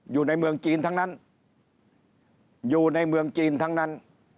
อยู่ในเมืองจีนทั้งนั้น